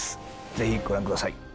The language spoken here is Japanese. ぜひご覧ください。